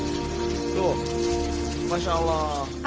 tuh masya allah